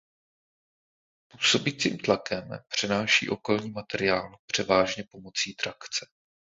Působícím tlakem přenáší okolní materiál převážně pomocí trakce.